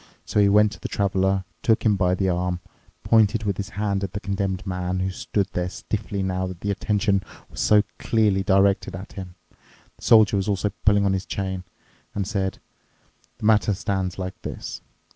So he went to the Traveler, took him by the arm, pointed with his hand at the Condemned Man, who stood there stiffly now that the attention was so clearly directed at him—the Soldier was also pulling on his chain—and said, "The matter stands like this.